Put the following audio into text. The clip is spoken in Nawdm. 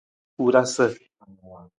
Wurasa.